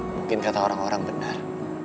mungkin kata orang orang benar